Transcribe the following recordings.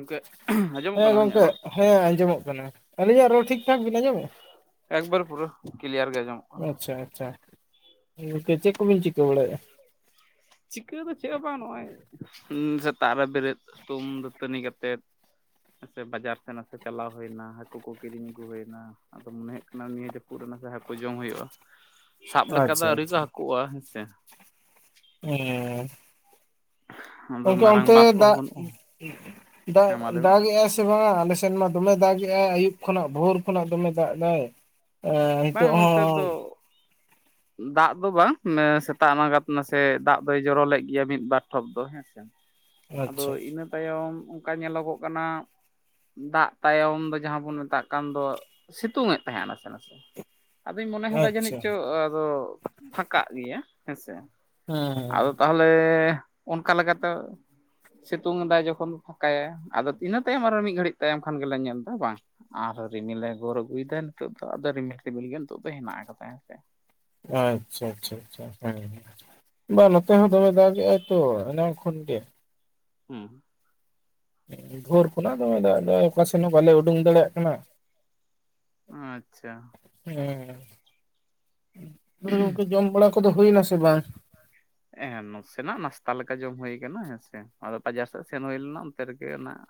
ᱜᱚᱝᱠᱮ ᱟᱸᱡᱚᱢᱚᱜ ᱦᱮᱸ ᱠᱟᱱᱟ ᱤᱧᱟᱹᱜ ᱜᱚᱝᱠᱮ ᱨᱚᱲ ᱦᱮᱸ ᱟᱸᱡᱚᱢᱚᱜ ᱠᱟᱱᱟ ᱟᱹᱞᱤᱧᱟᱜ ᱨᱚᱲ ᱴᱷᱤᱠᱼᱴᱷᱟᱠ ᱵᱤᱱ ᱟᱸᱡᱚᱢᱮᱜᱼᱟ ᱮᱠᱵᱟᱨ ᱯᱩᱨᱟᱹ ᱠᱞᱤᱭᱟᱨ ᱜᱮ ᱟᱸᱡᱚᱢᱚᱜ ᱠᱟᱱᱟ ᱟᱪᱪᱷᱟ ᱟᱪᱪᱷᱟ ᱪᱮᱫ ᱠᱚ ᱵᱤᱱ ᱪᱤᱠᱟ ᱵᱟᱲᱟᱭᱮᱜ-ᱟ ᱪᱤᱠᱟᱹ ᱫᱚ ᱪᱮᱫ ᱦᱚᱸ ᱵᱟᱝ ᱱᱚᱜᱼᱚᱭ ᱥᱮᱛᱟᱜ ᱨᱮ ᱵᱮᱨᱮᱫ ᱦᱩᱛᱩᱢ ᱫᱟᱹᱛᱟᱹᱱᱤ ᱠᱟᱛᱮᱫ ᱥᱮ ᱵᱟᱡᱟᱨ ᱥᱮᱫ ᱱᱟᱥᱮ ᱪᱟᱞᱟᱣ ᱦᱩᱭᱮᱱᱟ ᱦᱟᱠᱩ ᱠᱚ ᱠᱤᱨᱤᱧ ᱟᱹᱜᱩ ᱦᱩᱭᱮᱱᱟ ᱟᱫᱚ ᱢᱚᱱᱮ ᱦᱩᱭᱩᱜ ᱠᱟᱱᱟ ᱱᱤᱭᱟᱹ ᱡᱟᱹᱯᱩᱫ ᱨᱮᱱᱟᱜ ᱥᱮ ᱦᱟᱹᱠᱩ ᱡᱚᱢ ᱦᱩᱭᱩᱜᱼᱟ ᱥᱟᱵ ᱞᱮᱠᱟ ᱫᱚ ᱟᱪᱪᱷᱟ ᱟᱹᱣᱨᱤ ᱠᱚ ᱟᱪᱪᱷᱟ ᱦᱟᱹᱠᱩᱼᱟ ᱦᱮᱸᱥᱮ ᱦᱮᱸ ᱟᱫᱚ ᱜᱚᱝᱠᱮ ᱢᱟᱨᱟᱝ ᱚᱱᱛᱮ ᱵᱟᱸᱫ ᱠᱚᱦᱚᱸ ᱫᱟᱜ ᱵᱟᱹᱱᱩᱜᱼᱟ ᱫᱟᱜ ᱦᱮᱸ ᱢᱟ ᱞᱟᱹᱭ ᱢᱮ ᱫᱟᱜ ᱮᱼᱟᱥᱮ ᱵᱟᱝ ᱟ ᱟᱞᱮ ᱥᱮᱱ ᱢᱟ ᱫᱚᱢᱮ ᱫᱟᱜᱮᱼᱟ ᱟᱹᱭᱩᱵ ᱠᱷᱚᱱᱟᱜ ᱵᱷᱳᱨ ᱠᱷᱚᱱᱟᱜ ᱫᱚᱢᱮ ᱫᱟᱜ ᱫᱟᱭ ᱮᱸ ᱱᱤᱛᱚᱜ ᱵᱟᱝ ᱱᱚᱱᱛᱮ ᱫᱚ ᱦᱚᱸ ᱫᱟᱜ ᱫᱚ ᱵᱟᱝ ᱥᱮᱛᱟᱜ ᱱᱟᱜᱟᱛ ᱱᱟᱥᱮ ᱫᱟᱜ ᱫᱚᱭ ᱡᱚᱨᱚ ᱞᱮᱫ ᱜᱮᱭᱟ ᱢᱤᱫ ᱵᱟᱨ ᱴᱷᱚᱯ ᱫᱚ ᱟᱪᱪᱷᱟ ᱟᱫᱚ ᱟᱪᱪᱷᱟ ᱤᱱᱟᱹ ᱛᱟᱭᱚᱢ ᱚᱱᱠᱟ ᱧᱮᱞᱚᱜᱼᱚᱜ ᱠᱟᱱᱟ ᱫᱟᱜ ᱛᱟᱭᱚᱢ ᱫᱚ ᱡᱟᱦᱟᱸ ᱵᱚᱱ ᱢᱮᱛᱟᱜ ᱠᱟᱱ ᱫᱚ ᱥᱤᱛᱩᱝ ᱮᱫ ᱛᱟᱸᱦᱮᱫᱼᱟ ᱱᱟᱥᱮ ᱱᱟᱥᱮ ᱟᱫᱚᱧ ᱢᱚᱱᱮ ᱮᱫᱟ ᱡᱟᱹᱱᱤᱡ ᱟᱪᱪᱷᱟ ᱪᱚ ᱟᱫᱚ ᱯᱷᱟᱠᱟᱜ ᱜᱮᱭᱟ ᱦᱮᱸᱥᱮ ᱦᱮᱸ ᱟᱫᱚ ᱛᱟᱦᱚᱞᱮ ᱞᱮ ᱚᱱᱠᱟ ᱞᱮᱠᱟᱛᱮ ᱥᱤᱛᱩᱝ ᱮᱫᱟ ᱡᱚᱠᱷᱚᱱ ᱯᱷᱟᱸᱠᱟᱭᱟ ᱟᱫᱚ ᱤᱱᱟᱹ ᱛᱟᱭᱚᱢ ᱟᱨᱚ ᱢᱤᱫ ᱜᱷᱟᱹᱲᱤᱡ ᱛᱟᱭᱚᱢ ᱠᱷᱟᱱ ᱜᱮᱞᱮ ᱧᱮᱞ ᱫᱟ ᱵᱟᱝ ᱟᱨᱦᱚᱸ ᱨᱤᱢᱤᱞᱮ ᱜᱳᱨ ᱟᱹᱜᱩᱭᱮᱫᱟ ᱱᱤᱛᱚᱜ ᱫᱚ ᱟᱫᱚ ᱨᱤᱢᱤᱞ ᱨᱤᱢᱤᱞ ᱜᱮ ᱱᱤᱛᱚᱜ ᱫᱚ ᱦᱮᱱᱟᱜ ᱠᱟᱫᱟ ᱦᱮᱸ ᱥᱮ ᱟᱪᱪᱷᱟ ᱟᱪᱪᱷᱟ ᱟᱪᱪᱷᱟ ᱦᱮᱸ ᱵᱟᱝ ᱱᱚᱛᱮ ᱦᱚᱸ ᱫᱚᱢᱮ ᱫᱟᱜᱮ ᱟᱭ ᱛᱚ ᱮᱱᱟᱝ ᱠᱷᱚᱱ ᱜᱮ ᱦᱮᱸ ᱵᱷᱳᱨ ᱠᱷᱚᱱᱟᱜ ᱫᱚᱢᱮ ᱫᱟᱜ ᱫᱟᱭ ᱚᱠᱟ ᱥᱮᱱ ᱦᱚᱸ ᱵᱟᱞᱮ ᱩᱰᱩᱝ ᱫᱟᱲᱮᱭᱟᱜ ᱠᱟᱱᱟ ᱟᱪᱪᱷᱟ ᱦᱮᱸ ᱜᱚᱝᱠᱮ ᱡᱚᱢ ᱵᱟᱲᱟ ᱠᱚᱫᱚ ᱦᱩᱭ ᱱᱟᱥᱮ ᱵᱟᱝ? ᱦᱮᱸ ᱱᱟᱥᱮᱱᱟᱜ ᱱᱟᱥᱛᱟ ᱞᱮᱠᱟ ᱡᱚᱢ ᱦᱩᱭ ᱠᱟᱱᱟ ᱦᱮᱸᱥᱮ ᱟᱫᱚ ᱵᱟᱡᱟᱨ ᱥᱮᱫ ᱥᱮᱱ ᱦᱩᱭ ᱞᱮᱱᱟ ᱚᱱᱛᱮ ᱨᱮᱜᱮ ᱱᱟᱜ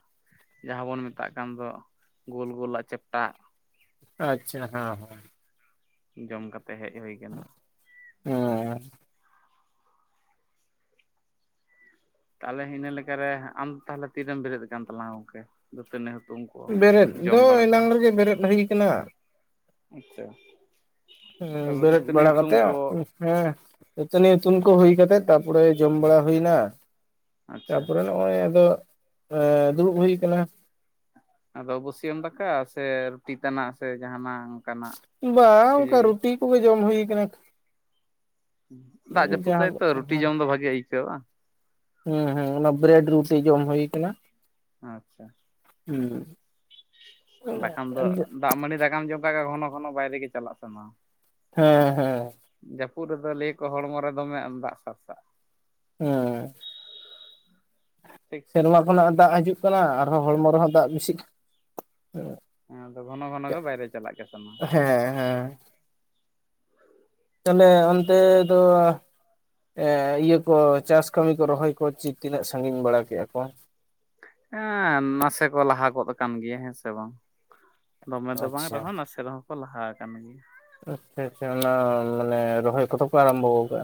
ᱡᱟᱦᱟᱸ ᱵᱚᱱ ᱢᱮᱛᱟᱜ ᱠᱟᱱ ᱫᱚ ᱜᱳᱞ ᱜᱳᱞᱟᱜ ᱪᱮᱯᱴᱟ ᱟᱜ ᱟᱪᱪᱷᱟ ᱦᱮᱸ ᱦᱮᱸ ᱡᱚᱢ ᱠᱟᱛᱮ ᱦᱮᱡ ᱦᱩᱭ ᱟᱠᱟᱱᱟ ᱦᱮᱸ ᱛᱟᱦᱚᱞᱮ ᱤᱱᱟᱹ ᱞᱮᱠᱟᱨᱮ ᱦᱟᱸᱜ ᱟᱢ ᱛᱟᱦᱚᱞᱮ ᱛᱤᱨᱮᱢ ᱵᱮᱨᱮᱫ ᱠᱟᱱ ᱛᱟᱞᱟᱝ ᱟ ᱜᱚᱢᱠᱮ ᱫᱟᱹᱛᱟᱹᱱᱤ ᱦᱩᱛᱩᱢ ᱠᱚ ᱵᱮᱨᱮᱫ ᱫᱚ ᱡᱚᱢ ᱵᱟᱲᱟ ᱠᱚ ᱮᱱᱟᱝ ᱨᱮᱜᱮ ᱵᱮᱨᱮᱫ ᱦᱩᱭ ᱠᱟᱱᱟ᱾ ᱟᱪᱪᱷᱟ ᱦᱚᱸ ᱛᱟᱯᱚᱨ ᱵᱮᱨᱮᱫ ᱫᱟᱹᱛᱟᱹᱱᱤ ᱵᱟᱲᱟ ᱦᱩᱛᱩᱢ ᱠᱟᱛᱮᱜ ᱠᱚ [inaudible] ᱦᱮᱸ ᱫᱟᱹᱛᱟᱹᱱᱤ ᱦᱩᱛᱩᱢ ᱠᱚ ᱦᱩᱭ ᱠᱟᱛᱮ ᱛᱟᱨ ᱯᱚᱨᱮ ᱡᱚᱢ ᱵᱟᱲᱟ ᱦᱩᱭ ᱱᱟ ᱛᱟ ᱟᱪᱪᱷᱟ ᱯᱚᱨᱮ ᱱᱚᱜᱼᱚᱭ ᱟᱫᱚ ᱮᱸ ᱫᱩᱲᱩᱵ ᱦᱩᱭ ᱠᱟᱱᱟ᱾ ᱟᱫᱚ ᱵᱟᱹᱥᱤᱭᱟᱹᱢ ᱫᱟᱠᱟ ᱥᱮ ᱨᱩᱴᱤ ᱛᱟᱱᱟᱜ ᱥᱮ ᱡᱟᱸᱦᱟᱱᱟᱝ ᱵᱟᱝ ᱚᱱᱠᱟ ᱨᱩᱴᱤ ᱠᱚᱜᱮ ᱡᱚᱢ ᱦᱩᱭ ᱠᱟᱱᱟ᱾ ᱫᱟᱜ ᱡᱟᱹᱯᱩᱫ ᱡᱟᱦᱟᱸ ᱫᱟᱭ ᱛᱚ ᱨᱩᱴᱤ ᱦᱮᱸ ᱡᱚᱢ ᱫᱚ ᱵᱷᱟᱜᱤ ᱟᱹᱭᱠᱟᱹᱜ-ᱟ ᱵᱟᱝ? ᱦᱮᱸ ᱦᱩᱸ ᱚᱱᱟ ᱵᱨᱮᱰ ᱨᱩᱴᱤ ᱡᱚᱢ ᱦᱩᱭ ᱠᱟᱱᱟ ᱟᱪᱪᱷᱟ ᱦᱩᱸ ᱵᱟᱠᱷᱟᱱ ᱫᱚ ᱫᱟᱜ ᱢᱟᱹᱰᱤ ᱫᱟᱠᱟᱢ ᱡᱚᱢ ᱠᱟᱜ ᱜᱮ ᱜᱷᱚᱱᱚ ᱜᱷᱚᱱᱚ ᱵᱟᱭᱨᱮ ᱜᱮ ᱪᱟᱞᱟᱜ ᱥᱟᱱᱟᱼᱟ ᱦᱮᱸ ᱦᱮᱸ ᱡᱟᱹᱯᱩᱫ ᱨᱮᱫᱚ ᱞᱟᱹᱭ ᱟᱠᱚ ᱦᱚᱲᱢᱚ ᱨᱮ ᱫᱚᱢᱮ ᱫᱟᱜ ᱥᱟᱨᱥᱟᱜᱼᱟ ᱦᱮᱸ ᱴᱷᱤᱠ ᱥᱮ ᱥᱮᱨᱢᱟ ᱠᱷᱚᱱᱟᱜ ᱫᱟᱜ ᱦᱤᱡᱩᱜ ᱠᱟᱱᱟ ᱟᱨᱦᱚᱸ ᱦᱚᱲᱢᱚ ᱨᱮᱦᱚᱸ ᱫᱟᱜ ᱵᱮᱥᱤᱜ ᱦᱮᱸ ᱟᱫᱚ ᱜᱷᱚᱱᱚ ᱜᱷᱚᱱᱚ ᱜᱮ ᱵᱟᱭᱨᱮ ᱪᱟᱞᱟᱜ ᱠᱟᱱ ᱛᱟᱦᱮ ᱦᱮᱸ ᱦᱮᱸ ᱛᱟᱦᱚᱞᱮ ᱚᱱᱛᱮ ᱫᱚ ᱤᱭᱟᱹ ᱠᱚ ᱪᱟᱥ ᱠᱟᱹᱢᱤ ᱠᱚ ᱨᱚᱦᱚᱭ ᱠᱚ ᱪᱮᱫ ᱛᱤᱱᱟᱹᱜ ᱥᱟᱺᱜᱤᱧ ᱵᱟᱲᱟ ᱠᱮᱫ-ᱟ ᱠᱚ ᱦᱮᱸ ᱱᱟᱥᱮ ᱠᱚ ᱞᱟᱦᱟ ᱜᱚᱫ ᱠᱟᱱ ᱜᱮᱭᱟ ᱦᱮᱸ ᱥᱮ ᱵᱟᱝ ᱫᱚᱢᱮ ᱫᱚ ᱵᱟᱝ ᱟᱪᱪᱷᱟ ᱨᱮᱦᱚᱸ ᱱᱟᱥᱮ ᱨᱮᱦᱚᱸ ᱠᱚ ᱞᱟᱦᱟ ᱠᱟᱱ ᱜᱮᱭᱟ᱾ ᱟᱪᱪᱷᱟ ᱟᱪᱪᱷᱟ ᱚᱱᱟ ᱢᱟᱱᱮ ᱨᱚᱦᱚᱭ ᱠᱚᱫᱚ ᱠᱚ ᱟᱨᱚᱢᱵᱷᱚ ᱠᱟᱜᱼᱟ?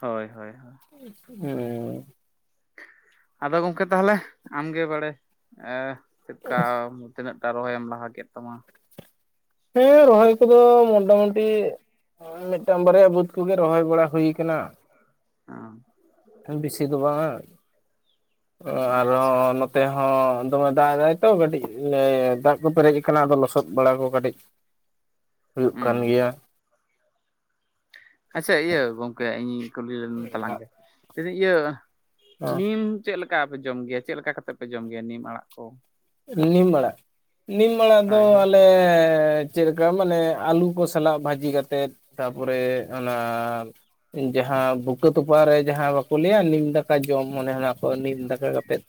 ᱦᱳᱭ ᱦᱳᱭ ᱦᱳᱭ ᱦᱮᱸ ᱟᱫᱚ ᱜᱚᱝᱠᱮ ᱛᱟᱦᱚᱞᱮ ᱟᱢᱜᱮ ᱵᱟᱲᱮ ᱮᱸ ᱪᱮᱫᱠᱟ ᱛᱤᱱᱟᱹᱜ ᱴᱟ ᱨᱚᱦᱚᱭᱮᱢ ᱞᱟᱦᱟ ᱠᱮᱫ ᱛᱟᱢᱟ? ᱦᱮᱸ ᱨᱚᱦᱚᱭ ᱠᱚᱫᱚ ᱢᱚᱴᱟ ᱢᱩᱴᱤ ᱦᱚᱭ ᱢᱤᱫᱴᱟᱝ ᱵᱟᱨᱮᱭᱟ ᱵᱟᱹᱫᱽ ᱠᱚᱜᱮ ᱨᱚᱦᱚᱭ ᱵᱟᱲᱟ ᱦᱩᱭ ᱠᱟᱱᱟ᱾ ᱦᱮᱸ ᱵᱤᱥᱤ ᱫᱚ ᱵᱟᱝᱼᱟ ᱟᱨᱚ ᱟᱪᱪᱷᱟ ᱱᱚ ᱛᱮᱦᱚᱸ ᱫᱚᱢᱮ ᱫᱟᱜ ᱫᱟᱭ ᱛᱚ ᱠᱟᱹᱴᱤᱡ ᱫᱟᱜ ᱠᱚ ᱯᱮᱨᱮᱡ ᱠᱟᱱᱟ ᱟᱫᱚ ᱞᱚᱥᱚᱫ ᱵᱟᱲᱟ ᱠᱚ ᱠᱟᱹᱴᱤᱡ ᱦᱩᱭᱩᱜ ᱠᱟᱱ ᱜᱮᱭᱟ᱾ ᱦᱩᱸ ᱟᱪᱪᱷᱟ ᱤᱭᱟᱹ ᱜᱚᱝᱠᱮ ᱤᱧ ᱠᱩᱞᱤ ᱞᱮᱢ ᱛᱟᱞᱟᱝ ᱜᱮ ᱞᱟᱹᱭᱫᱤᱧ ᱤᱭᱟᱹ ᱱᱤᱢ ᱪᱮᱫ ᱞᱮᱠᱟ ᱯᱮ ᱡᱚᱢ ᱜᱮᱭᱟ ᱪᱮᱫ ᱞᱮᱠᱟ ᱠᱟᱛᱮᱫ ᱯᱮ ᱡᱚᱢ ᱜᱮᱭᱟ ᱱᱤᱢ ᱟᱲᱟᱜ ᱠᱚ ᱱᱤᱢ ᱟᱲᱟᱜ ᱱᱤᱢᱟᱲᱟᱜ ᱫᱚ ᱦᱳᱭ ᱦᱳᱭ ᱟᱞᱮ ᱪᱮᱫ ᱞᱮᱠᱟ ᱢᱟᱱᱮ ᱟᱹᱞᱩ ᱠᱚ ᱥᱟᱞᱟᱜ ᱵᱷᱟᱹᱡᱤ ᱠᱟᱛᱮᱜ ᱛᱟᱯᱚᱨᱮ ᱚᱱᱟ ᱡᱟᱦᱟᱸ ᱵᱩᱠᱟᱹ ᱛᱚᱯᱟᱜ ᱨᱮ ᱡᱟᱦᱟᱸ ᱵᱟᱠᱚ ᱞᱟᱹᱭᱟ ᱱᱤᱢ ᱫᱟᱠᱟ ᱡᱚᱢ ᱢᱚᱱᱮ ᱚᱱᱟ ᱠᱚ ᱱᱤᱢ ᱫᱟᱠᱟ ᱠᱟᱛᱮᱫ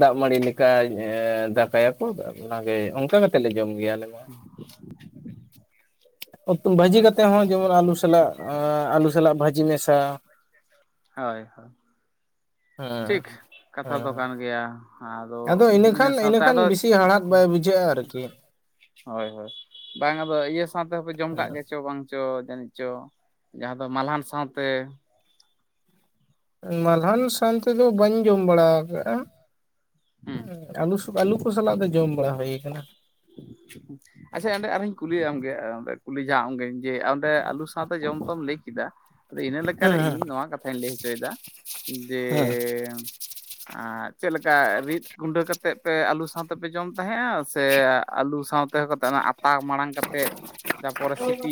ᱫᱟᱜ ᱢᱟᱹᱲᱤ ᱞᱮᱠᱟ ᱫᱟᱠᱟᱭᱟᱠᱚ ᱚᱱᱟᱜᱮ ᱚᱱᱠᱟ ᱠᱟᱛᱮᱫ ᱞᱮ ᱡᱚᱢ ᱜᱮᱭᱟᱞᱮ ᱦ [unintelligible] ᱩᱛᱩ ᱵᱷᱟᱹᱡᱤ ᱠᱟᱛᱮᱫ ᱦᱚᱸ ᱡᱮᱢᱚᱱ ᱟᱹᱞᱩ ᱥᱟᱞᱟᱜ ᱟᱹᱞᱩ ᱥᱟᱞᱟᱜ ᱵᱷᱟᱹᱡᱤ ᱢᱮᱥᱟ ᱦᱳᱭ ᱦᱳᱭ ᱴᱷᱤᱠ ᱦᱮᱸ ᱠᱟᱛᱷᱟ ᱫᱚ ᱦᱮᱸ ᱠᱟᱱ ᱜᱮᱭᱟ ᱟᱫᱚ ᱤᱱᱟᱹ ᱤᱱᱟᱹᱠᱷᱟᱱ ᱥᱟᱶᱛᱮ ᱟᱫᱚ ᱤᱱᱟᱹᱠᱷᱟᱱ ᱵᱮᱥᱤ ᱦᱟᱲᱦᱟᱫ ᱵᱟᱭ ᱵᱩᱡᱷᱟᱹᱜᱼᱟ ᱟᱨᱠᱤ ᱦᱳᱭ ᱦᱳᱭ ᱵᱟᱝ ᱟᱫᱚ ᱤᱭᱟᱹ ᱥᱟᱶᱛᱮᱦᱚᱯᱮ ᱡᱚᱢ ᱠᱟᱜ ᱜᱮᱭᱟ ᱪᱚ ᱵᱟᱝ ᱪᱚ ᱡᱟᱹᱱᱤᱡ ᱪᱚ ᱡᱟᱦᱟᱸ ᱫᱚ ᱢᱟᱞᱦᱟᱱ ᱥᱟᱶᱛᱮ ᱢᱟᱞᱦᱟᱱ ᱥᱟᱶᱟᱱ ᱛᱮᱫᱚ ᱵᱟᱹᱧ ᱡᱚᱢ ᱵᱟᱲᱟ ᱟᱠᱟᱟᱜ-ᱟ ᱦᱩᱸ ᱟᱞᱩ ᱟᱞᱩ ᱟᱞᱩ ᱥᱟᱞᱟᱜ ᱫᱚ ᱡᱚᱢ ᱵᱟᱲᱟ ᱦᱩᱭ ᱟᱠᱟᱱᱟ ᱟᱪᱪᱷᱟ ᱚᱸᱰᱮ ᱟᱨᱦᱚᱧ ᱠᱩᱞᱤᱭᱟᱢᱜᱮ ᱚᱸᱰᱮ ᱠᱩᱞᱤ ᱡᱷᱟᱜ ᱟᱢ ᱜᱮᱧ ᱡᱮ ᱚᱸᱰᱮ ᱟᱞᱩ ᱥᱟᱶᱛᱮ ᱡᱚᱢ ᱛᱚᱢ ᱞᱟᱹᱭ ᱠᱮᱫᱟ ᱟᱫᱚ ᱦᱮᱸ ᱤᱱᱟᱹᱠᱟᱨᱮ ᱦᱮᱸ ᱤᱧ ᱱᱚᱣᱟ ᱠᱟᱛᱷᱟᱧ ᱞᱟᱹᱭ ᱦᱚᱪᱚᱭᱮᱫᱟ ᱡᱮ ᱦᱮᱸ ᱪᱮᱫᱞᱮᱠᱟ ᱨᱤᱫ ᱜᱩᱸᱰᱟᱹ ᱠᱟᱛᱮ ᱛᱮᱫ ᱯᱮ ᱟᱹᱞᱩ ᱥᱟᱶᱛᱮᱯᱮ ᱡᱚᱢ ᱛᱟᱦᱮᱸᱜᱱᱟ ᱥᱮ ᱟᱞᱩ ᱥᱟᱶᱛᱮᱦ ᱠᱟᱛᱮᱫ ᱚᱱᱟ ᱟᱛᱟ ᱢᱟᱲᱟᱝ ᱠᱟᱛᱮᱫ ᱛᱟᱯᱚᱨᱮ ᱥᱤᱯᱤ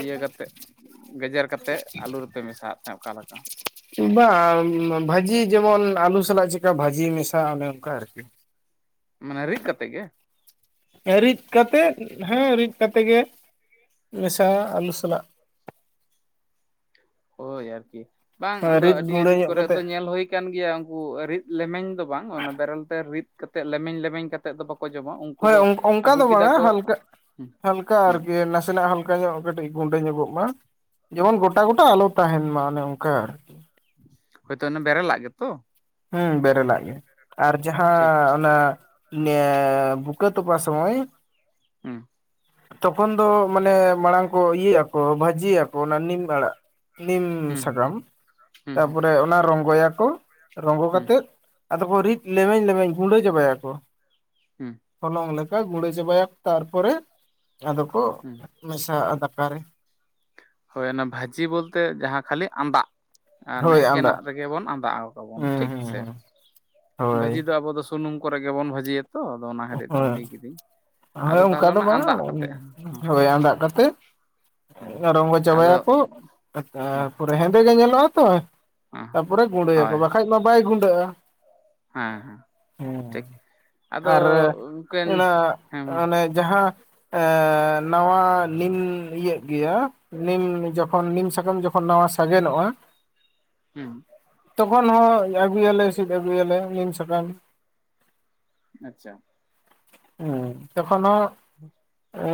ᱤᱭᱟᱹ ᱠᱟᱛᱮᱫ ᱜᱮᱡᱮᱨ ᱠᱟᱛᱮᱫ ᱟᱹᱞᱩ ᱨᱮᱯᱮ ᱢᱮᱥᱟᱜ ᱦᱮᱸ ᱚᱠᱟᱞᱮᱠᱟ ᱵᱟᱝ ᱵᱷᱟᱹᱡᱤ ᱡᱮᱢᱚᱱ ᱟᱞᱩ ᱥᱟᱞᱟᱜ ᱪᱮᱠᱟ ᱵᱷᱟᱹᱡᱤ ᱢᱮᱥᱟ ᱚᱱᱮ ᱚᱱᱠᱟ ᱟᱨᱠᱤ ᱢᱟᱱᱮ ᱨᱤᱫ ᱠᱟᱛᱮ ᱜᱮ ᱨᱤᱫ ᱠᱟᱛᱮ ᱦᱮᱸ ᱨᱤᱫ ᱠᱟᱛᱮᱫ ᱜᱮ ᱢᱮᱥᱟ ᱟᱹᱞᱩ ᱥᱟᱞᱟᱜ ᱦᱳᱭ ᱟᱨᱠᱤ ᱵᱟᱝ ᱟᱫᱚ ᱨᱤᱫ ᱟᱹᱰᱤ ᱜᱩᱸᱰᱟᱹ ᱟᱹᱰᱤ ᱧᱚᱜ ᱠᱚᱨᱮ ᱫᱚ ᱠᱟᱛᱮᱜ ᱧᱮᱞ ᱦᱩᱭ ᱠᱟᱱ ᱜᱮᱭᱟ ᱩᱱᱠᱩ ᱨᱤᱫ ᱞᱮᱢᱮᱧ ᱫᱚ ᱵᱟᱝ ᱚᱱᱟ ᱵᱮᱨᱮᱞ ᱛᱮ ᱨᱤᱫ ᱠᱟᱛᱮ ᱞᱮᱢᱮᱧ ᱞᱮᱢᱮᱧ ᱠᱟᱛᱮ ᱮᱫ ᱫᱚ ᱵᱟᱠᱚ ᱡᱚᱢᱟ ᱩᱱ ᱦᱳᱭ ᱚᱱᱠᱟ ᱫᱚ ᱵᱟᱝᱟ ᱦᱟᱞᱠᱟ ᱦᱩᱸ ᱦᱟᱞᱠᱟ ᱦᱩᱸ ᱟᱨᱠᱤ ᱱᱟᱥᱮᱱᱟᱜ ᱦᱟᱞᱠᱟ ᱚᱱᱠᱟ ᱧᱚᱜ ᱠᱟᱹᱴᱤᱡ ᱜᱩᱸᱰᱟᱹ ᱧᱚᱜᱚᱜ ᱢᱟ ᱡᱮᱢᱚᱱ ᱜᱚᱴᱟ ᱜᱚᱴᱟ ᱟᱞᱚ ᱛᱟᱦᱮᱱ ᱢᱟ ᱚᱱᱮ ᱚᱱᱠᱟ ᱦᱳᱭᱛᱳ ᱚᱱᱮ ᱵᱮᱨᱮᱞᱟᱜ ᱜᱮᱛᱚ ᱦᱮᱸ ᱵᱮᱨᱮᱞᱟᱜ ᱜᱮ ᱟᱨ ᱴᱷᱤᱠ ᱡᱟᱦᱟᱸ ᱚᱱᱟ [inaudible] ᱵᱩᱠ ᱛᱚᱯ ᱥᱚᱢᱚᱭ ᱦᱮᱸ ᱛᱚᱠᱷᱚᱱ ᱫᱚ ᱢᱟᱱᱮ ᱢᱟᱲᱟᱝ ᱠᱚ ᱤᱭᱟᱹᱜ ᱟᱠᱚ ᱵᱷᱟᱹᱡᱤᱭᱟᱠᱚ ᱚᱱᱟ ᱱᱤᱢ ᱟᱲᱟᱜ ᱱᱤᱢ ᱦᱩᱸ ᱥᱟᱠᱟᱢ ᱦᱩᱸ ᱛᱟᱯᱚᱨᱮ ᱚᱱᱟ ᱨᱚᱝᱜᱚᱭᱟᱠᱚ ᱨᱚᱝᱜᱚ ᱦᱩᱸ ᱠᱟᱛᱮᱫ ᱟᱫᱚ ᱠᱚ ᱨᱤᱫ ᱞᱮᱢᱮᱧ ᱞᱮᱢᱮᱧ ᱜᱩᱸᱰᱟᱹ ᱪᱟᱵᱟᱭᱟᱠᱚ ᱦᱩᱸ ᱦᱚᱞᱚᱝ ᱫᱟᱠᱟ ᱢᱩᱲᱟᱸ ᱪᱟᱵᱟᱭᱟ ᱠᱚ ᱛᱟᱨᱯᱚᱨᱮ ᱟᱫᱚ ᱠᱚ ᱦᱩᱸ ᱢᱮᱥᱟ-ᱟ ᱫᱟᱠᱟᱨᱮ ᱦᱳᱭ ᱚᱱᱟ ᱵᱷᱟᱹᱡᱤ ᱵᱚᱞᱛᱮ ᱡᱟᱦᱟᱸ ᱠᱷᱟᱹᱞᱤ ᱟᱸᱫᱟᱜ ᱟᱨ ᱦᱳᱭ ᱟᱸᱫᱟᱜ ᱮᱠᱮᱱᱟᱜ ᱨᱮᱜᱮ ᱵᱚᱱ ᱟᱫᱟ ᱠᱟᱵᱚᱱ ᱦᱩᱸ ᱴᱷᱤᱠ ᱦᱩᱸ ᱥᱮ᱾ ᱦᱩᱸ ᱦᱳᱭ ᱵᱷᱟᱹᱡᱤ ᱫᱚ ᱟᱵᱚ ᱫᱚ ᱥᱩᱱᱩᱢ ᱠᱚᱨᱮ ᱜᱮᱵᱚᱱ ᱵᱷᱟᱹᱡᱤᱭᱟᱛᱚ ᱟᱫᱚ ᱚᱱᱟ ᱦᱚᱛᱮᱡ ᱛᱮ ᱦᱳᱭ ᱞᱟᱹᱭ ᱠᱤᱫᱟᱹᱧ ᱦᱳᱭ ᱟᱫᱚ ᱚᱱᱠᱟ ᱛᱟᱦᱚᱞᱮ ᱫᱚ ᱚᱱᱟ ᱵᱟᱝ-ᱟ ᱟᱸᱫᱟᱜ ᱠᱟᱛᱮᱜ ᱦᱮᱸ ᱦᱳᱭ ᱟᱫᱟᱜ ᱠᱟᱛᱮᱫ ᱦᱮᱸ ᱨᱚᱝᱜᱚ ᱟᱫᱚ ᱪᱟᱵᱟᱭᱟᱠᱚ ᱦᱮᱸ ᱛᱟᱨᱯᱚᱨᱮ ᱦᱮᱸᱫᱮ ᱜᱮ ᱧᱮᱞᱚᱜ-ᱟ ᱛᱚ ᱛᱟᱯᱚᱨᱮ ᱜᱩᱸᱰᱟᱹᱭᱟᱠᱚ ᱦᱳᱭ ᱵᱟᱠᱷᱟᱡ ᱢᱟ ᱵᱟᱭ ᱜᱩᱸᱰᱟᱹᱜ-ᱟ ᱦᱮᱸ ᱦᱮᱸ ᱦᱮᱸ ᱴᱷᱤᱠ ᱟᱫᱚ ᱟᱨ ᱩᱱᱠᱤᱱ ᱚᱱᱟ ᱦᱮᱸ ᱢᱟ ᱚᱱᱮ ᱡᱟᱦᱟᱸ ᱮ ᱱᱟᱣᱟ ᱱᱤᱢ ᱤᱭᱟᱹᱜ ᱜᱮᱭᱟ ᱱᱤᱢ ᱡᱚᱠᱷᱚᱱ ᱱᱤᱢ ᱥᱟᱠᱟᱢ ᱡᱚᱠᱷᱚᱱ ᱱᱟᱣᱟ ᱥᱟᱜᱮᱱᱚᱜ-ᱟ ᱦᱮᱸ ᱛᱚᱠᱷᱚᱱ ᱦᱚᱸ ᱟᱹᱜᱩᱭᱟᱞᱮ ᱥᱤᱫ ᱟᱹᱜᱩᱭᱟᱞᱮ ᱱᱤᱢ ᱥᱟᱠᱟᱢ ᱟᱪᱪᱷᱟ [unintelligible] ᱡᱚᱠᱷᱚᱱ [unintelligible] [inaudible] ᱟᱹᱻ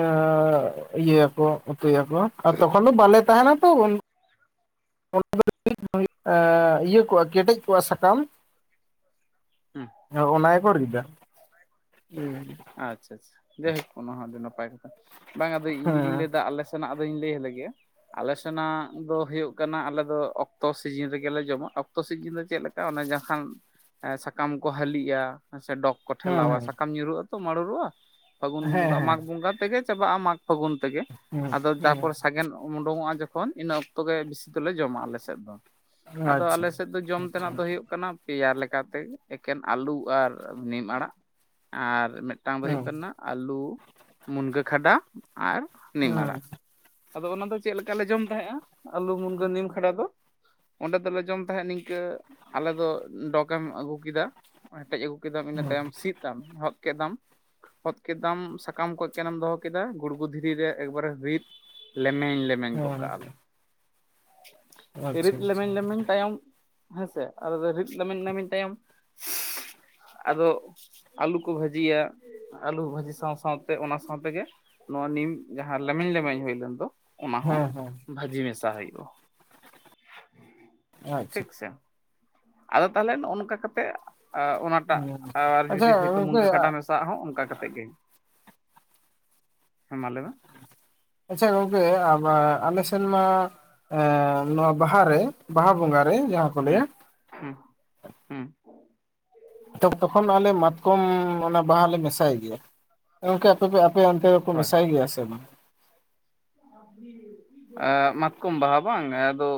ᱤᱭᱟᱹᱭᱟᱠᱚ ᱩᱛᱩᱭᱟᱠᱚ ᱟᱨ ᱛᱚᱠᱷᱚᱱ ᱫᱚ ᱵᱟᱞᱮ ᱛᱟᱦᱮᱱᱟ ᱛᱚ᱾ ᱚᱱᱟ ᱫᱚ ᱤᱭᱟᱹ ᱠᱚᱣᱟ ᱠᱮᱴᱮᱡ ᱠᱚᱜ-ᱟ ᱥᱟᱠᱟᱢ᱾ ᱦᱮᱸ ᱚ ᱚᱱᱟ ᱜᱮᱠᱚ ᱨᱤᱫᱟ᱾ ᱦᱮᱸ ᱟᱪᱷᱟ ᱟᱪᱷᱟ ᱡᱟᱭᱦᱳᱠ ᱚᱱᱟ ᱦᱚᱸ ᱟᱹᱰᱤ ᱱᱟᱯᱟᱭ ᱠᱟᱛᱷᱟ ᱵᱟᱝ ᱟᱫᱚ ᱤᱧ ᱦᱮᱸ ᱫᱩᱧ ᱞᱟᱹᱭ ᱮᱫᱟ ᱟᱞᱮ ᱥᱮᱱᱟᱜ ᱫᱚᱧ ᱞᱟᱹᱭᱟᱞᱜᱮᱭᱟ ᱟᱞᱮ ᱥᱮᱱᱟᱜ ᱫᱚ ᱦᱩᱭᱩᱜ ᱠᱟᱱᱟ ᱟᱞᱮ ᱫᱚ ᱚᱠᱛᱚ ᱥᱤᱡᱤᱱ ᱨᱮᱜᱮᱞᱮ ᱡᱚᱢᱟ ᱚᱠᱛᱚ ᱥᱤᱡᱤᱱ ᱫᱚ ᱪᱮᱫᱞᱮᱠᱟ ᱚᱱᱮ ᱡᱟᱦᱟᱱ ᱥᱟᱠᱟᱢ ᱠᱚ ᱦᱟᱹᱞᱤᱜ-ᱟ ᱥᱮ ᱰᱚᱠ ᱠᱚ ᱴᱷᱮᱞᱟᱣᱟ ᱦᱮᱸ ᱥᱟᱠᱟᱢ ᱧᱩᱨᱩᱜ ᱟᱛᱚ ᱢᱟᱨᱩᱲᱚᱜ-ᱟ ᱯᱷᱟᱹᱜᱩᱱ ᱦᱮᱸ ᱵᱚᱸᱜᱟ ᱢᱟᱜᱽ ᱵᱚᱸᱜᱟ ᱛᱮᱜᱮ ᱪᱟᱵᱟᱜ-ᱟ ᱢᱟᱜᱽ ᱯᱷᱟᱹᱜᱩᱱ ᱛᱮᱜᱮ ᱦᱮᱸ ᱟᱫᱚ ᱦᱮᱸ ᱛᱟᱯᱚᱨ ᱥᱟᱜᱮᱱ ᱩᱰᱩᱠᱚᱜ-ᱟ ᱡᱚᱠᱷᱚᱱ ᱤᱱᱟᱹ ᱚᱠᱛᱚ ᱜᱮ ᱵᱮᱥᱤ ᱫᱚᱞᱮ ᱡᱚᱢᱟ ᱟᱞᱮ ᱥᱮᱫ ᱫᱚ ᱦᱮᱸ ᱟᱫᱚ ᱟᱪᱪᱷᱟ ᱟᱞᱮ ᱥᱮᱫ ᱫᱚ ᱡᱚᱢ ᱟᱪᱪᱷᱟ ᱛᱮᱱᱟᱜ ᱫᱚ ᱦᱩᱭᱩᱜ ᱠᱟᱱᱟ ᱛᱮᱭᱟᱨ ᱞᱮᱠᱟᱛᱮ ᱮᱠᱮᱱ ᱟᱹᱞᱩ ᱟᱨ ᱱᱤᱢ ᱟᱲᱟᱜ ᱟᱨ ᱢᱤᱫᱴᱟᱝ ᱫᱚ ᱦᱩᱭᱩᱜ ᱦᱮᱸ ᱠᱟᱱᱟ ᱟᱞᱩ ᱢᱩᱱᱜᱟᱹ ᱠᱷᱟᱰᱟ ᱟᱨ ᱱᱤᱢ ᱟᱲᱟᱜ ᱦᱮᱸ ᱟᱫᱚ ᱚᱱᱟ ᱫᱚ ᱪᱮᱫ ᱞᱮᱠᱟ ᱞᱮ ᱡᱚᱢ ᱛᱟᱦᱮᱸᱫ-ᱟ ᱟᱹᱞᱩ ᱢᱩᱱᱜᱟᱹ ᱱᱤᱢ ᱠᱷᱟᱸᱰᱟ ᱫᱚ ᱚᱸᱰᱮ ᱫᱚᱞᱮ ᱡᱚᱢ ᱛᱟᱦᱮᱸᱫ ᱱᱤᱝᱠᱟᱹ ᱟᱞᱮ ᱫᱚ ᱰᱚᱸᱠ ᱮᱢ ᱟᱹᱜᱩ ᱠᱮᱫᱟ ᱦᱮᱴᱮᱡ ᱟᱹᱜᱩ ᱠᱮᱫᱟᱢ ᱤᱱᱟᱹ ᱛᱟᱭᱚᱢ ᱥᱤᱫ ᱛᱟᱢ ᱠᱮᱫᱟᱢ ᱦᱚᱛ ᱠᱮᱫᱟᱢ ᱥᱟᱠᱟᱢ ᱠᱚᱡ ᱮᱠᱮᱱ ᱮᱢ ᱫᱚᱦᱚ ᱠᱮᱫᱟ ᱜᱩᱲᱜᱩ ᱫᱷᱤᱨᱤ ᱨᱮ ᱮᱠᱵᱟᱨᱮ ᱨᱤᱫ ᱞᱮᱢᱮᱧ ᱞᱮᱯ ᱢᱮᱱ ᱜᱚᱜ ᱠᱚᱜ ᱦᱮᱸ ᱠᱟᱜ-ᱟ ᱟᱪᱪᱷᱟ ᱨᱤᱫ ᱟᱪᱪᱷᱟ ᱞᱮᱢᱮᱧ ᱞᱮᱢᱮᱧ ᱛᱟᱭᱚᱢ ᱦᱮᱸᱥᱮ ᱟᱫᱚᱞᱮ ᱨᱤᱫ ᱞᱮᱢᱮᱧ ᱞᱮᱢᱮᱧ ᱛᱟᱭᱚᱢ ᱟᱫᱚ ᱟᱞᱩ [inaudible] ᱠᱚ ᱵᱷᱟᱹᱡᱤᱭᱟ ᱟᱹᱞᱩ ᱵᱷᱟᱹᱡᱤ ᱥᱟᱶ ᱥᱟᱶᱛᱮ ᱚᱱᱟ ᱥᱟᱶᱛᱮᱜᱮ ᱱᱚᱣᱟ ᱱᱤᱢ ᱡᱟᱦᱟᱸ ᱞᱮᱢᱮᱧ ᱞᱮᱢᱮᱧ ᱦᱩᱭ ᱞᱮᱱ ᱫᱚ ᱚᱱᱟ ᱦᱮᱸ ᱦᱚᱸ ᱦᱮᱸ ᱵᱷᱟᱹᱡᱤ ᱢᱮᱥᱟ ᱦᱩᱭᱩᱜ-ᱟ ᱟᱪᱪᱷᱟ ᱴᱷᱤᱠ ᱥᱮ ᱟᱫᱚ ᱛᱟᱦᱚᱞᱮ ᱱᱚᱜ-ᱚᱭ ᱱᱚᱝᱠᱟ ᱠᱟᱛᱮ ᱚᱱᱟ [inaudible] ᱟᱨ ᱟᱪᱪᱷᱟ ᱡᱩᱫᱤ ᱜᱚᱝᱠᱮ ᱝᱠᱟᱹ ᱠᱟᱰᱟ ᱢᱮᱥᱟᱜ ᱦᱚᱸ ᱚᱱᱠᱟ ᱠᱟᱛᱮ ᱜᱮ ᱦᱮᱸ ᱢᱟ ᱞᱟᱹᱭ ᱢᱮ ᱟᱪᱪᱷᱟ ᱜᱚᱝᱠᱮ ᱟᱵᱟ ᱟᱞᱮ ᱥᱮᱱ ᱢᱟ ᱮ ᱱᱚᱣᱟ ᱵᱟᱦᱟᱨᱮ ᱵᱟᱦᱟ ᱵᱚᱸᱜᱟ ᱨᱮ ᱡᱟᱦᱟᱸ ᱠᱚ ᱦᱮᱸ ᱞᱟᱹᱭᱟ ᱦᱮᱸ ᱦᱮᱸ ᱛᱚᱠᱷᱚᱱ ᱟᱞᱮ ᱢᱟᱛᱠᱚᱢ ᱚᱱᱟ ᱵᱟᱦᱟ ᱞᱮ ᱢᱮᱥᱟᱭ ᱜᱮᱭᱟ ᱜᱚᱝᱠᱮ ᱟᱯᱮᱯᱮ ᱟᱯᱮ ᱚᱱᱛᱮ ᱦᱳᱭ ᱢᱮᱥᱟᱭ ᱜᱮᱭᱟ ᱥᱮ ᱵᱟᱝ ᱢᱟᱛᱠᱚᱢ ᱵᱟᱦᱟ ᱵᱟᱝ ᱟᱫᱚ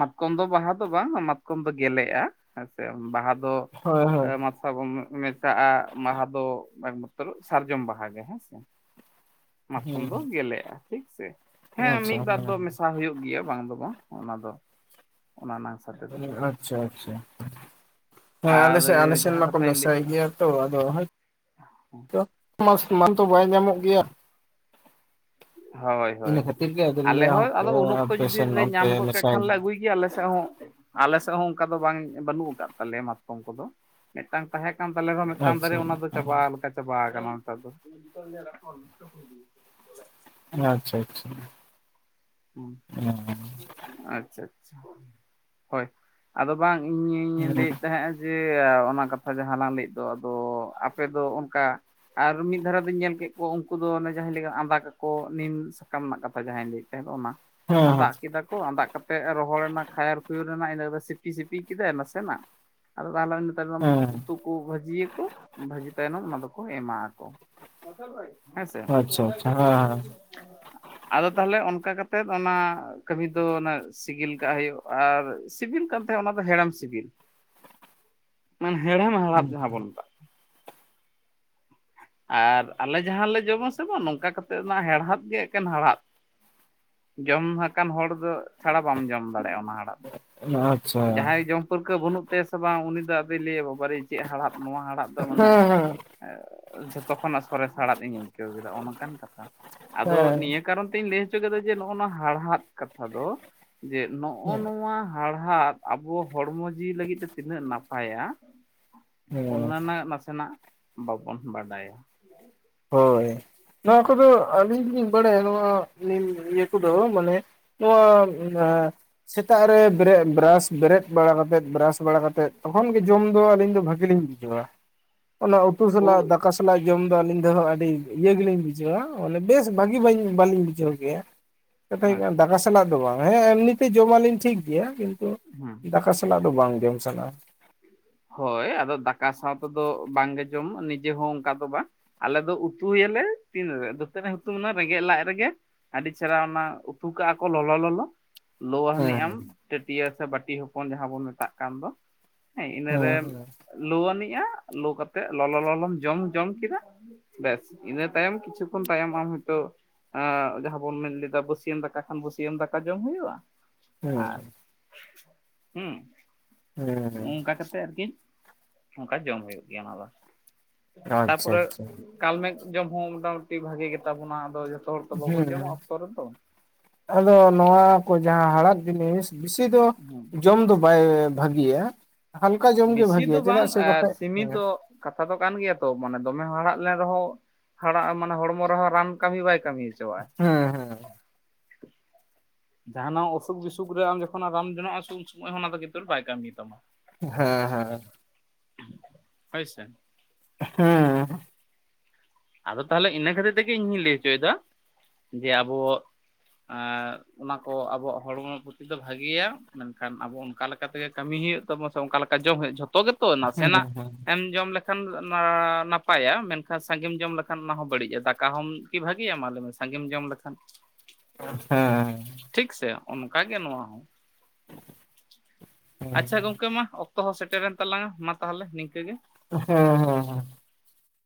ᱢᱟᱛᱠᱚᱢ ᱫᱚ ᱵᱟᱦᱟ ᱫᱚ ᱵᱟᱝ ᱢᱟᱛᱠᱚᱢ ᱫᱚ ᱜᱮᱞᱮᱜ-ᱟ ᱦᱮᱸᱥᱮ ᱵᱟᱦᱟ ᱫᱚ ᱦᱳᱭ ᱦᱳᱭ ᱚᱠᱟ ᱵᱚᱱ ᱢᱮᱛᱟᱜ-ᱟ ᱵᱟᱦᱟ ᱫᱚ ᱮᱠᱢᱟᱛᱨᱚ ᱥᱟᱨᱡᱚᱢ ᱵᱟᱦᱟ ᱜᱮ ᱦᱮᱸᱥᱮ ᱢᱟᱛᱠᱚᱢ ᱫᱚ ᱜᱮᱞᱮᱜ-ᱟ ᱴᱷᱤᱠ ᱥᱮ, ᱦᱮᱸ ᱢᱤᱫ ᱵᱟᱨ ᱫᱚ ᱢᱮᱥᱟ ᱦᱩᱭᱩᱜ ᱜᱮᱭᱟ᱾ ᱵᱟᱝ ᱫᱚ ᱵᱟᱝ ᱚᱱᱟ ᱫᱚ ᱚᱱᱟ ᱱᱟᱜᱥ ᱟᱪᱪᱷᱟ ᱟᱪᱪᱷᱟ ᱦᱮᱸ ᱟᱞᱮ ᱟᱨ ᱥᱮᱜ ᱟᱞᱮ ᱥᱮᱜ ᱡᱟᱦᱟᱸ ᱢᱟᱠᱚ ᱠᱟᱛᱷᱟᱧ ᱞᱟᱹᱭ ᱢᱮᱥᱟᱭ ᱜᱮᱭᱟ ᱛᱚ ᱟᱫᱚ ᱦᱚᱭᱛᱚ [inaudible] ᱵᱟᱭ ᱧᱟᱢᱚᱜ ᱜᱮᱭᱟ᱾ ᱦᱳᱭ ᱤᱱᱟᱹ ᱦᱳᱭ ᱠᱷᱟᱹᱛᱤᱨ ᱜᱮ ᱟᱫᱚ ᱟᱞᱮ ᱞᱟᱹᱭᱟ ᱦᱚᱸ ᱟᱫᱚ ᱩᱱ ᱚᱠᱛᱚ ᱟᱯᱮ ᱡᱩᱫᱤ ᱥᱮᱱ ᱞᱮ ᱚᱱᱛᱮ ᱧᱟᱢ ᱜᱚᱜ ᱠᱮ ᱢᱮᱥᱟᱭ ᱠᱷᱟᱱ ᱞᱮ ᱜᱮ ᱟᱹᱜᱩᱭ ᱜᱮᱭᱟ ᱟᱞᱮ ᱥᱮᱫ ᱦᱚᱸ ᱟᱞᱮᱥᱮᱫ ᱦᱚᱸ ᱚᱱᱠᱟ ᱫᱚ ᱵᱟᱝ ᱵᱟᱹᱱᱩᱜ ᱟᱠᱟᱫ ᱛᱟᱞᱮᱭᱟ ᱢᱟᱛᱠᱚᱢ ᱠᱚᱫᱚ ᱢᱤᱫᱴᱟᱝ ᱛᱟᱦᱮᱸ ᱠᱟᱱ ᱛᱟᱞᱮ ᱨᱮᱦᱚᱸ ᱢᱤᱫᱴᱟᱝ ᱫᱟᱨᱮ ᱟᱪᱪᱷᱟ ᱚᱱᱟ ᱫᱚ ᱪᱟᱵᱟ ᱞᱮᱠᱟ ᱪᱟᱵᱟ ᱠᱟᱱᱟ ᱫᱚ [inaudible] ᱟᱪᱪᱷᱟ ᱟᱪᱪᱷᱟ ᱟᱪᱪᱷᱟ ᱦᱮᱸ ᱟᱪᱪᱷᱟ ᱟᱪᱪᱷᱟ ᱦᱳᱭ ᱟᱫᱚ ᱵᱟᱝ ᱤᱧᱤᱧ ᱦᱮᱸ ᱦᱮᱸ ᱞᱟᱹᱭᱮᱫ ᱛᱟᱦᱮᱸᱫ ᱡᱮ ᱚᱱᱟ ᱠᱟᱛᱷᱟ ᱡᱟᱦᱟᱸ ᱞᱟᱝ ᱞᱟᱹᱭᱮᱫ ᱫᱚ ᱟᱫᱚ ᱟᱯᱮ ᱫᱚ ᱚᱱᱠᱟ ᱟᱨ ᱢᱤᱫ ᱫᱷᱟᱨᱮ ᱫᱚᱧ ᱧᱮᱞ ᱠᱮᱫ ᱠᱚ ᱩᱱᱠᱩ ᱫᱚ ᱚᱱᱮ ᱡᱟᱦᱟᱸᱧ ᱞᱟᱹᱭ ᱠᱮᱫᱟ ᱟᱸᱫᱟ ᱠᱟᱠᱚ ᱱᱤᱢ ᱥᱟᱠᱟᱢ ᱨᱮᱱᱟᱜ ᱠᱟᱛᱷᱟ ᱡᱟᱦᱟᱸᱭ ᱛᱟᱦᱮᱸ ᱫᱚ ᱚᱱᱟ ᱟᱸᱫᱟᱜ ᱠᱮᱫᱟ ᱠᱚ ᱟᱸᱫᱟᱜ ᱠᱟᱛᱮ ᱨᱚᱦᱚᱲᱱᱟ ᱠᱷᱟᱭᱟᱨ ᱠᱷᱚᱭᱩᱨ ᱮᱱᱟ ᱤᱱᱟᱹ ᱥᱤᱯᱤ ᱥᱤᱯᱤ ᱠᱮᱫᱟᱭ ᱱᱟᱥᱮᱱᱟᱜ [unintelligible] ᱩᱛᱩ ᱠᱚ ᱵᱷᱟᱹᱡᱤᱭᱟᱹᱠᱩ᱾ ᱵᱷᱟᱹᱡᱤ ᱛᱟᱭᱱᱚᱢ ᱚᱱᱟ ᱫᱚᱠᱚ ᱮᱢᱟᱜ ᱟᱠᱚ ᱦᱮᱸᱥᱮ᱾ ᱟᱪᱪᱷᱟ ᱟᱪᱪᱷᱟ ᱦᱮᱸ ᱟᱫᱚ ᱛᱟᱦᱚᱞᱮ ᱚᱱᱠ ᱚᱱᱠᱟ ᱠᱟᱛᱮᱫ ᱚᱱᱟ ᱠᱟᱹᱢᱤ ᱫᱚ ᱚᱱᱟ ᱥᱤᱜᱤᱞ ᱠᱟᱜ ᱦᱩᱭᱩᱜ ᱟᱨ ᱥᱤᱵᱤᱞ ᱠᱟᱛᱮ ᱚᱱᱟ ᱫᱚ ᱦᱮᱲᱮᱢ ᱥᱤᱵᱤᱞ ᱢᱟᱱ ᱦᱮᱨᱮᱢ ᱦᱟᱲᱦᱟᱫᱽ ᱡᱟᱦᱟᱸ ᱵᱚᱱ ᱢᱮᱛᱟᱜ ᱟᱨ ᱟᱞᱮ ᱡᱟᱦᱟᱸ ᱞᱮ ᱡᱚᱢᱟ ᱥᱮ ᱵᱟᱝ ᱱᱚᱝᱠᱟ ᱠᱟᱛᱮᱫ ᱱᱟ ᱦᱟᱲᱦᱟᱫ ᱜᱮ ᱮᱠᱮᱱ ᱦᱟᱲᱦᱟᱫ᱾ ᱡᱚᱢ ᱟᱠᱟᱱ ᱦᱚᱲ ᱫᱚ ᱪᱷᱟᱲᱟ ᱵᱟᱢ ᱡᱚᱢ ᱫᱟᱲᱮᱭᱟᱜ ᱟ ᱚᱱᱟ ᱟᱲᱟ ᱦᱮᱸ ᱟᱪᱪᱷᱟ [inaudible] ᱡᱟᱦᱟᱸᱭ ᱡᱚᱢ ᱯᱟᱹᱨᱠᱟᱹᱣ ᱵᱟᱹᱱᱩᱜ ᱛᱟᱭᱟ ᱥᱮ ᱵᱟᱝ ᱩᱱᱤ ᱫᱚ ᱟᱫᱚᱭ ᱞᱟᱹᱭᱟ ᱵᱟᱵᱟᱨᱮ ᱪᱮᱫ ᱦᱟᱲᱦᱟᱫᱽ ᱱᱚᱣᱟ ᱦᱟᱲᱦᱟᱫᱽ ᱫᱚ ᱢᱟᱱᱮ ᱦᱮᱸ ᱡᱷᱚᱛᱚ ᱠᱷᱚᱱᱟᱜ ᱥᱚᱨᱮᱥ ᱦᱟᱲᱟᱜ ᱤᱧᱤᱧ ᱡᱟᱹᱣ ᱠᱮᱫᱟ ᱱᱚᱠᱟᱱ ᱠᱟᱛᱷᱟ, ᱦᱮᱸ ᱟᱫᱚ ᱱᱤᱭᱟᱹ ᱦᱮᱸ ᱠᱟᱨᱚᱱ ᱛᱮᱧ ᱞᱟᱹᱭ ᱞᱮ ᱠᱟᱫᱟ ᱡᱮ ᱱᱚᱜ ᱚ ᱱᱚᱣᱟ ᱦᱟᱲᱦᱟᱫ ᱠᱟᱛᱷᱟ ᱫᱚ, ᱡᱮ ᱱᱚᱜ ᱚ ᱱᱚᱣᱟ ᱦᱟᱲᱦᱟᱫ ᱟᱵᱚ ᱦᱚᱲᱢᱚ ᱡᱤᱣᱤ ᱞᱟᱹᱜᱤᱫ ᱛᱮ ᱛᱤᱱᱟᱹᱜ ᱱᱟᱯᱟᱭᱟ, ᱦᱮᱸ ᱚᱱᱟ ᱱᱟᱜ ᱱᱟᱥᱮᱱᱟᱜ ᱵᱟᱵᱚᱱ ᱵᱟᱰᱟᱭᱟ᱾ ᱦᱳᱭ ᱱᱚᱣᱟ ᱠᱚᱫᱚ ᱟᱹᱞᱤᱧᱞᱤᱧ ᱵᱟᱲᱟᱭᱟ ᱱᱚᱣᱟ ᱱᱤᱢ ᱱᱤᱭᱟᱹ ᱠᱚᱫᱚ ᱢᱟᱱᱮ ᱱᱚᱣᱟ ᱟᱻ ᱥᱮᱛᱟᱜ ᱨᱮ ᱵᱮᱨᱮᱜ ᱵᱮᱨᱟᱥ ᱵᱮᱨᱮᱫ ᱵᱟᱲᱟᱛᱮᱫ ᱵᱨᱟᱥ ᱵᱟᱲᱟᱛᱮᱫ ᱛᱚᱠᱷᱚᱱ ᱜᱮ ᱡᱚᱢ ᱫᱚ ᱟᱹᱞᱤᱧ ᱫᱚ ᱵᱷᱟᱜᱤ ᱞᱤᱧ ᱵᱩᱡ ᱡᱟᱹᱣᱟ ᱚᱱᱟ ᱩᱛᱩ ᱦᱳᱭ ᱥᱟᱞᱟᱜ ᱫᱟᱠᱟ ᱥᱟᱞᱟᱜ ᱡᱚᱢ ᱫᱚ ᱟᱹᱞᱤᱧ ᱦᱚᱸ ᱟᱹᱰᱤ ᱤᱭᱟᱹ ᱜᱮᱞᱤᱧ ᱵᱩᱡᱷᱟᱹᱣᱟ ᱵᱚᱞᱮ ᱵᱮᱥ ᱵᱷᱟᱹᱜᱤ ᱵᱟᱹᱧ ᱵᱟᱞᱤᱧ ᱵᱩᱡᱷᱟᱹᱣ ᱜᱮᱭᱟ, ᱠᱟᱛᱷᱟ ᱦᱩᱭᱩ ᱟᱪᱪᱷᱟ ᱫᱟᱠᱟ ᱥᱟᱞᱟᱜ ᱫᱚ ᱵᱟᱝ ᱦᱮᱸ ᱮᱢᱱᱤᱛᱮ ᱡᱚᱢᱟᱞᱤᱧ ᱴᱷᱤᱠ ᱜᱮᱭᱟ ᱠᱤᱱᱛᱩ, [inaudible] ᱫᱟᱠᱟ ᱥᱟᱞᱟᱜ ᱫᱚ ᱵᱟᱝ ᱡᱚᱢ ᱥᱟᱱᱟ-ᱟ᱾ ᱦᱳᱭ ᱟᱫᱚ ᱫᱟᱠᱟ ᱥᱟᱶ ᱛᱮᱫᱚ ᱵᱟᱝᱜᱮ ᱡᱚᱢ ᱱᱤᱡᱮ ᱦᱚᱸ ᱚᱱᱠᱟ ᱫᱚ ᱵᱟᱝ᱾ ᱟᱞᱮ ᱫᱚ ᱩᱛᱩᱭ ᱭᱟᱞᱮ ᱛᱤᱱᱨᱮ ᱫᱟᱹᱛᱟᱹᱱᱤ ᱦᱩᱛᱩᱢᱱᱟ ᱨᱮᱸᱜᱮᱡ ᱞᱟᱡ ᱨᱮᱜᱮ ᱟᱹᱰᱤ ᱪᱮᱨᱦᱨᱟ ᱚᱱᱟ ᱩᱛᱩ ᱠᱟᱜ ᱟ ᱠᱚ ᱞᱚᱞᱚ ᱞᱳᱣᱟ ᱦᱟᱹᱱᱤᱡ ᱟᱢ ᱦᱮᱸ ᱴᱟᱹᱴᱤᱭᱟᱹ ᱥᱮ ᱵᱟᱴᱤ ᱦᱚᱯᱚᱱ ᱡᱟᱦᱟᱸ ᱵᱚᱱ ᱢᱮᱛᱟᱜ ᱠᱟᱱ ᱫᱚ ᱦᱮᱸ ᱤᱱᱟᱹ ᱨᱮᱢ ᱦᱮᱸ ᱞᱩ ᱟᱹᱱᱤᱡ ᱟ ᱞᱳ ᱠᱟᱛᱮᱜ ᱞᱚᱞᱚ ᱞᱚᱞᱚᱢ ᱡᱚᱢ ᱡᱚᱢ ᱠᱮᱫᱟ ᱵᱮᱥ ᱤᱱᱟᱹ ᱛᱟᱭᱚᱢ ᱠᱤᱪᱷᱩ ᱠᱷᱚᱱ ᱛᱟᱭᱚᱢ ᱟᱢ ᱦᱚᱭᱛᱚ ᱡᱟᱦᱟᱸ ᱵᱚᱱ ᱢᱮᱱ ᱞᱮᱫᱟ ᱵᱟᱹᱥᱤᱭᱟᱹᱢ ᱫᱟᱠᱟ ᱠᱷᱟᱱ ᱵᱟᱹᱥᱤᱭᱟᱹᱢ ᱫᱟᱠᱟ ᱡᱚᱢ ᱦᱳᱭᱳᱜ ᱟ ᱦᱮᱸ ᱟᱨ ᱦᱩᱸ ᱦᱮᱸ ᱦᱮᱸ ᱚᱱᱠᱟ ᱠᱟᱛᱮᱜ ᱟᱨᱠᱤ ᱚᱱᱠᱟ ᱡᱚᱢ ᱦᱩᱭᱩᱜ ᱜᱮᱭᱟ ᱚᱱᱟ ᱫᱚ ᱟᱪᱪᱷᱟ ᱛᱟᱨᱯᱚᱨᱮ ᱟᱪᱪᱷᱟ ᱠᱟᱞᱢᱮᱜ ᱡᱚᱢ ᱦᱚᱸ ᱢᱚᱴᱟᱢᱩᱴᱤ ᱵᱷᱟᱜᱮ ᱜᱮᱛᱟ ᱵᱚᱱᱟ ᱟᱫᱚ ᱡᱚᱛ ᱦᱮᱸ ᱟᱫᱚ ᱱᱚᱣᱟ ᱠᱚ ᱡᱟᱦᱟᱸ ᱦᱟᱲᱦᱟᱫᱽ ᱡᱤᱱᱤᱥ ᱵᱤᱥᱤ ᱫᱚ ᱦᱮᱸ ᱡᱚᱢ ᱫᱚ ᱵᱟᱭ ᱵᱷᱟᱹᱜᱤᱭᱟ᱾ ᱦᱟᱞᱠᱟ ᱡᱚᱢᱜᱮ ᱵᱮᱥᱤ ᱵᱷᱟᱹᱜᱤᱭᱟ ᱫᱚ ᱵᱟᱝ ᱪᱮᱫᱟᱜ ᱥᱮ ᱵᱟᱠᱷᱟᱡ ᱦᱮᱸ ᱥᱤᱢᱤᱛᱚ ᱠᱟᱛᱷᱟ ᱫᱚ ᱠᱟᱱ ᱜᱮᱭᱟ ᱛᱚ ᱢᱟᱱᱮ ᱫᱚᱢᱮ ᱦᱟᱲᱦᱟᱜ ᱞᱮᱱ ᱨᱮᱦᱚᱸ ᱦᱟᱨᱟ ᱟᱢ ᱢᱟᱱᱮ ᱦᱚᱲᱢᱚ ᱨᱮᱦᱚᱸ ᱨᱟᱱ ᱠᱟᱹᱢᱤ ᱵᱟᱭ ᱠᱟᱹᱢᱤ ᱦᱚᱪᱚᱣᱟᱜᱼᱟ ᱦᱮᱸ ᱦᱮᱸ ᱡᱟᱦᱱᱟᱜ ᱚᱥᱩᱠ ᱵᱤᱥᱩᱠ ᱨᱮ ᱟ ᱡᱚᱠᱷᱚᱱᱟᱜ ᱨᱟᱱ ᱡᱚᱱᱟᱜ ᱟᱥᱮ ᱩᱱ ᱥᱚᱢᱚᱭ ᱦᱚᱸ ᱚᱱᱟ ᱫᱚ ᱵᱟᱭ ᱠᱟᱹᱢᱤ ᱛᱟᱢᱟ ᱦᱮᱸ ᱦᱮᱸ ᱦᱳᱭ ᱥᱮ ᱦᱮᱸ ᱟᱫᱚ ᱛᱟᱦᱚᱞᱮ ᱤᱱᱟᱹ ᱠᱷᱟᱹᱛᱤᱨ ᱛᱮᱜᱮ ᱤᱧ ᱦᱩᱧ ᱞᱟᱹᱭ ᱦᱚᱪᱚᱭᱮᱫᱟ ᱡᱮ ᱟᱵᱚ ᱮᱸ ᱚᱱᱟ ᱠᱚ ᱟᱵᱚᱣᱟᱜ ᱦᱚᱲᱢᱚ ᱫᱚ ᱵᱷᱟᱜᱤᱭᱟ ᱢᱮᱱᱠᱷᱟᱱ ᱟᱵᱚ ᱚᱱᱠᱟ ᱞᱮᱠᱟ ᱛᱮᱜᱮ ᱠᱟᱹᱢᱤ ᱦᱩᱭᱩᱜ ᱛᱟᱢᱟ ᱥᱮ ᱚᱱᱠᱟ ᱞᱮᱠᱟ ᱡᱚᱢ ᱦᱩᱭᱩᱜ ᱡᱷᱚᱛᱚ ᱜᱮ ᱛᱚ ᱱᱟᱥᱮᱱᱟᱜ ᱮᱢ ᱡᱚᱢ ᱞᱮᱠᱷᱟᱱ ᱱᱟᱯᱟᱭᱟ ᱢᱮᱱᱠᱷᱟᱱ ᱥᱟᱸᱜᱮᱢ ᱡᱚᱢ ᱞᱮᱠᱷᱟᱱ ᱚᱱᱟ ᱦᱚᱸ ᱵᱟᱹᱲᱤᱡ ᱟ ᱫᱟᱠᱟ ᱦᱚᱸᱢ ᱠᱤ ᱵᱷᱟᱹᱜᱤᱭᱟ ᱢᱟᱞᱮᱢᱮ ᱥᱟᱸᱜᱮᱢ ᱡᱚᱢ ᱞᱮᱠᱷᱟᱱ ᱦᱮᱸ ᱴᱷᱤᱠ ᱥᱮ ᱚᱱᱠᱟᱜ ᱜᱮ ᱱᱚᱶᱟ ᱦᱚᱸ [inaudible] ᱟᱪᱷᱟ ᱜᱚᱝᱠᱮ ᱢᱟ ᱚᱠᱛᱚ ᱦᱚᱸ ᱥᱮᱴᱮᱨᱮᱱ ᱛᱟᱞᱟᱝ ᱟ ᱢᱟ ᱛᱟᱦᱚᱞᱮ ᱱᱤᱝᱠᱟᱹ ᱜᱮ ᱦᱮᱸ ᱦᱮᱸ ᱦᱮᱸ